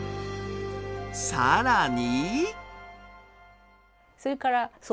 さらに！